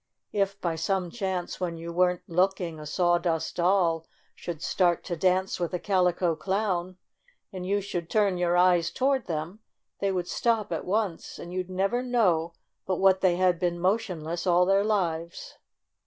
If, by some chance, when you weren't looking a Sawdust Doll should start to dance with a Calico Clown, and you should turn your eyes toward them, they would stop at once, and you'd never know but what they had been motionless all their lives.